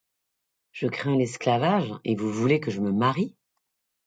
Je crains l'esclavage et vous voulez que je me marie ?